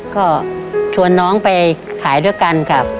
ก็ชวนน้องไปขายด้วยกันครับ